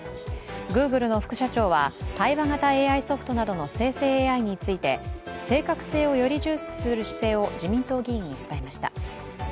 グーグルの副社長は対話型ＡＩソフトなどの生成ＡＩについて正確性をより重視する姿勢を自民党議員に伝えました。